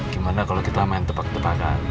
gimana kalau kita main tepak tepakan